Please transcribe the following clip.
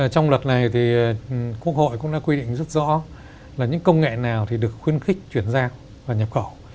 trong luật này thì quốc hội cũng đã quy định rất rõ là những công nghệ nào thì được khuyến khích chuyển giao và nhập khẩu